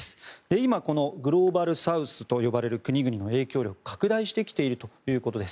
今、グローバルサウスと呼ばれる国々の影響力拡大してきているということです。